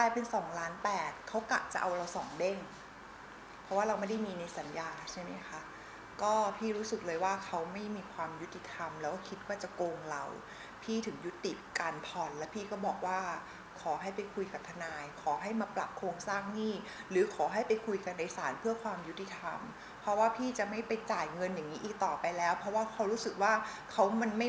เป็นสองล้านแปดเขากะจะเอาเราสองเด้งเพราะว่าเราไม่ได้มีในสัญญาใช่ไหมคะก็พี่รู้สึกเลยว่าเขาไม่มีความยุติธรรมแล้วก็คิดว่าจะโกงเราพี่ถึงยุติการผ่อนแล้วพี่ก็บอกว่าขอให้ไปคุยกับทนายขอให้มาปรับโครงสร้างหนี้หรือขอให้ไปคุยกันในศาลเพื่อความยุติธรรมเพราะว่าพี่จะไม่ไปจ่ายเงินอย่างงี้อีกต่อไปแล้วเพราะว่าเขารู้สึกว่าเขามันไม่